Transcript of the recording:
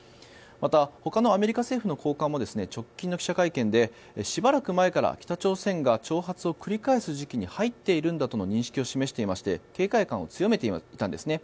またほかのアメリカ政府の高官も直近の記者会見でしばらく前から北朝鮮が挑発を繰り返す時期に入っているんだとの認識を示していまして警戒感を強めていたんですね。